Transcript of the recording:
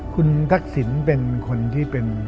คุณทักษิณเป็นคนที่เป็น